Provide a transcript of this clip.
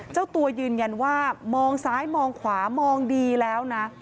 เจ้าตัวยืนยันว่ามองซ้ายมองขวามองดีแล้วนะ